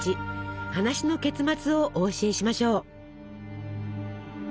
話の結末をお教えしましょう。